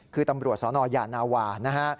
คือตำรวจสนยานาวานะฮะ